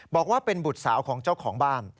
บอกว่าเป็นบุตรสาวของเจ้าของบ้าน